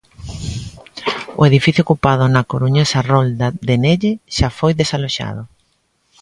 O edificio ocupado na coruñesa rolda de Nelle xa foi desaloxado.